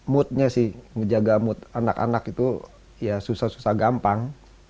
moodnya sih menjaga mood anak anak itu ya susah susah gampang